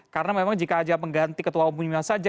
karena memang jika saja mengganti ketua umumnya saja